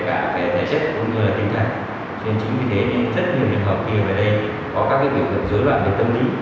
cho nên chính vì thế rất nhiều hợp kỳ ở đây có các biểu tượng dưới loạn về tâm lý